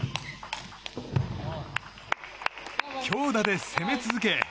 強打で攻め続け。